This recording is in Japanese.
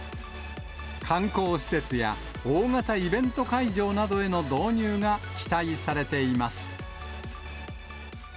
観光施設や大型イベント会場などへの導入が期待されています。